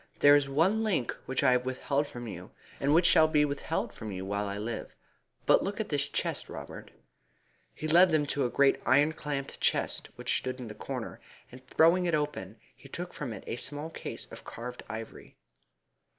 There is one link which I have withheld from you, and which shall be withheld from you while I live. But look at this chest, Robert." He led him to a great iron clamped chest which stood in the corner, and, throwing it open, he took from it a small case of carved ivory.